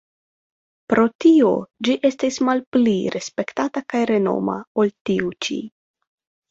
Pro tio ĝi estis malpli respektata kaj renoma ol tiu ĉi.